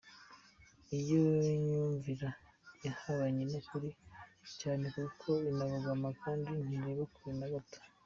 Iyo myumvire ihabanye n’ukuri cyane kuko irabogama kandi ntireba kure na gato.